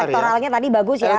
ya jadi elektoralnya tadi bagus ya